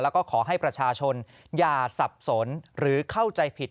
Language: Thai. แล้วก็ขอให้ประชาชนอย่าสับสนหรือเข้าใจผิด